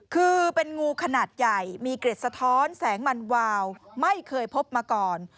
คือเป็นงูขนาดใหญ่มีเกร็ดสะท้อนแสงมันวาวไม่เคยพบมาก่อน